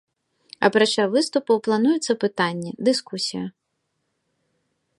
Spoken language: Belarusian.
Апрача выступаў плануюцца пытанні, дыскусія.